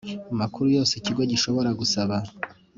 makuru yose Ikigo gishobora gusaba